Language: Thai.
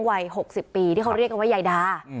วัย๖๐ปีที่เขาเรียกกันว่ายายดา